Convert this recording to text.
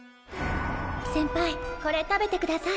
せんぱいこれ食べてください。